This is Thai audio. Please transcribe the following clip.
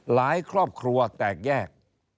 หลายครอบครัวแตกแยก